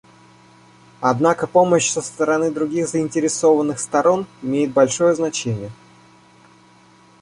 Однако помощь со стороны других заинтересованных сторон имеет большое значение.